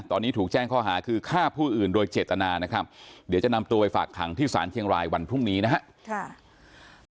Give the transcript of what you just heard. ตอนนี้ถูกแจ้งข้อหาคือฆ่าผู้อื่นโดยเจตนานะครับเดี๋ยวจะนำตัวไปฝากขังที่ศาลเชียงรายวันพรุ่งนี้นะครับ